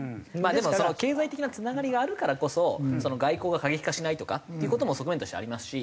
でもその経済的な繋がりがあるからこそ外交が過激化しないとかっていう事も側面としてありますし。